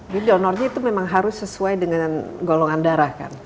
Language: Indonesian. donornya itu memang harus sesuai dengan golongan darah kan